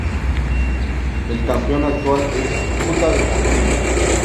El campeón actual es Cúcuta Deportivo.